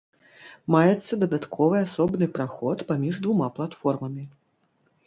Маецца дадатковы асобны праход паміж двума платформамі.